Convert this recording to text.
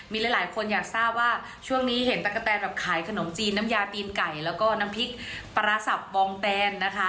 มีหลายคนอยากทราบว่าช่วงนี้เห็นตะกะแตนแบบขายขนมจีนน้ำยาตีนไก่แล้วก็น้ำพริกปลารสับบองแตนนะคะ